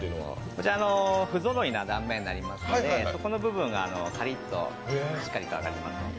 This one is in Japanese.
こちら、不ぞろいな断面になりますので、そこの部分がカリッとしっかりと揚がりますので。